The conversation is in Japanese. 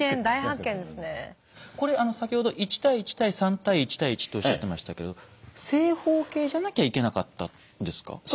これ先ほど１：１：３：１：１とおっしゃってましたけど正方形じゃなきゃいけなかったんですか？